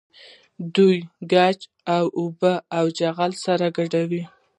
دوی ګچ او اوبه او چغل سره ګډول.